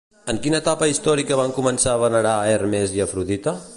En quina etapa històrica van començar a venerar a Hermes i Afrodita?